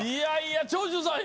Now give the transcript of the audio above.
長州さん